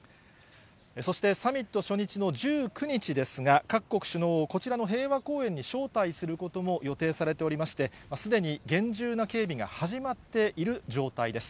そして、サミット初日の１９日ですが、各国首脳をこちらの平和公園に招待することも予定されておりまして、すでに厳重な警備が始まっている状態です。